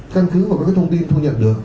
căn cứ vào các thông tin thu nhận được